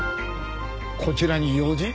こちらに用事？